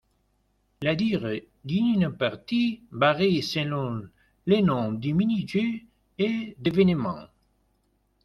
La durée d'une partie varie selon le nombre de mini-jeux et d’événements.